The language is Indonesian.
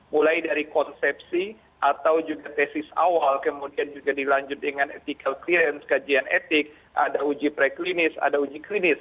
mulai dari konsepsi atau juga tesis awal kemudian juga dilanjut dengan ethical clearance kajian etik ada uji preklinis ada uji klinis